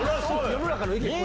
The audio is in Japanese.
世の中の意見。